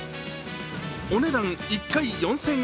お値段、１回４０００円。